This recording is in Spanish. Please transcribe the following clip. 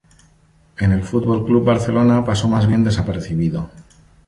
En el Fútbol Club Barcelona pasó más bien desapercibido.